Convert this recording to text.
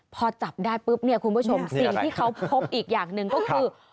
พอจับได้ปุ๊บเนี่ยคุณผู้ชมสิ่งที่เขาพบอีกอย่างหนึ่งก็คือ